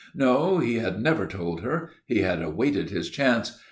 No, he had never told her. He had awaited his chance.